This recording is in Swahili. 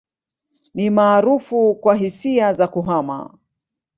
Ni maarufu kwa hisia za kuhama.